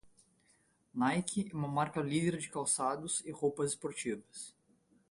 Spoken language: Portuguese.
Nike é uma marca líder de calçados e roupas esportivas.